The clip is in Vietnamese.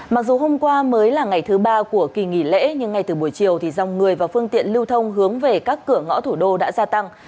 mặc dù hôm qua mới là ngày thứ ba của kỳ nghỉ lễ nhưng ngay từ buổi chiều thì dòng người và phương tiện lưu thông hướng về các cửa ngõ thủ đô đã gia tăng